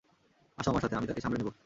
আসো আমার সাথে, আমি তাকে সামলে নেব।